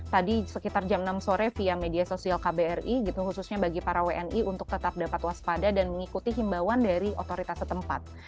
tadi sekitar jam enam sore via media sosial kbri gitu khususnya bagi para wni untuk tetap dapat waspada dan mengikuti himbauan dari otoritas setempat